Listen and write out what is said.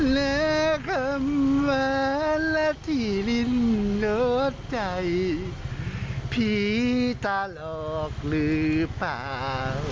และคำว่าและที่ลิ้นโน้ตใจผีตลอกหรือเปล่า